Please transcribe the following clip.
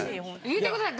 言うてください。